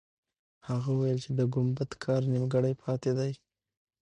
هغه وویل چې د ګمبد کار نیمګړی پاتې دی.